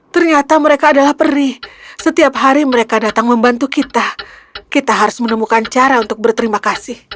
ternyata mereka adalah perih setiap hari mereka datang membantu kita kita harus menemukan cara untuk berterima kasih